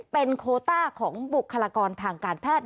เป็นโคต้าของบุคลากรทางการแพทย์